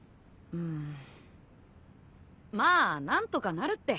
んまあ何とかなるって。